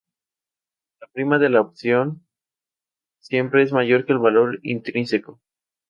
La prima de la opción siempre es mayor que el valor intrínseco.